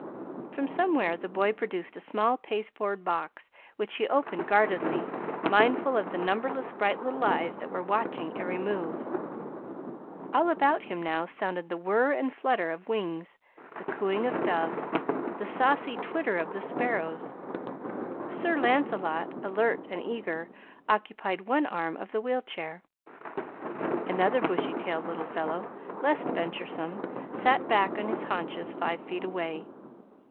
From somewhere the boy produced a small pasteboard box which he opened guardedly, mindful of the numberless bright little eyes that were watching every move. All about him now sounded the whir and flutter of wings, the cooing of doves, the saucy twitter of the sparrows. Sir Lancelot, alert and eager, occupied one arm of the wheel chair. Another bushy tailed little fellow, less venturesome, sat back on his haunches five feet away.